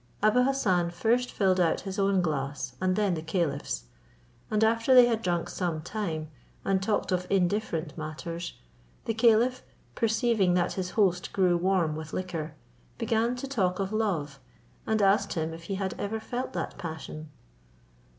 Abou Hassan first filled out his own glass, and then the caliph's: and after they had drunk some time, and talked of indifferent matters, the caliph, perceiving that his host grew warm with liquor, began to talk of love, and asked him if he had ever felt that passion.